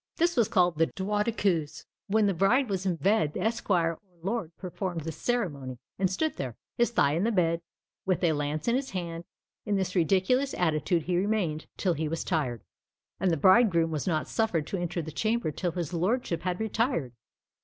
This was called the droit de cuisse. When the bride was in bed, the esquire or lord performed this ceremony, and stood there, his thigh in the bed, with a lance in his hand: in this ridiculous attitude he remained till he was tired; and the bridegroom was not suffered to enter the chamber till his lordship had retired.